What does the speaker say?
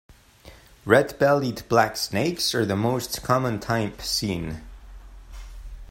Red-bellied Black Snakes are the most common type seen.